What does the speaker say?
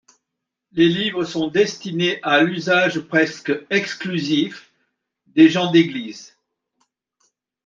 Les livres sont destinés à l'usage presque exclusif des gens d'Église.